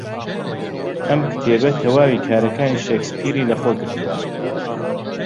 ئەم کتێبە تەواوی کارەکانی شکسپیری لەخۆ گرتووە.